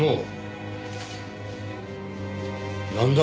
なんだ？